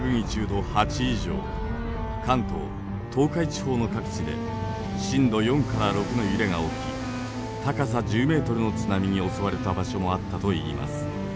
関東東海地方の各地で震度４から６の揺れが起き高さ１０ｍの津波に襲われた場所もあったといいます。